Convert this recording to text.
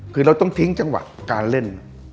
คือเราต้องทิ้งจังหวะการเล่น